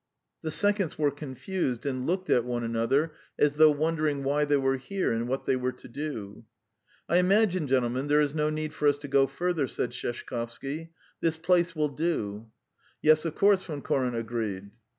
The seconds were confused, and looked at one another as though wondering why they were here and what they were to do. "I imagine, gentlemen, there is no need for us to go further," said Sheshkovsky. "This place will do." "Yes, of course," Von Koren agreed.